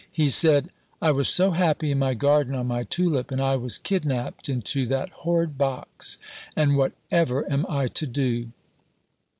He said: "I was so happy in my garden on my tulip, and I was kidnapped into that horrid box. And whatever am I to do?"